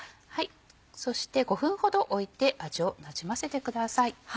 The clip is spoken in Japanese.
そして５分ほどおいて味をなじませてください。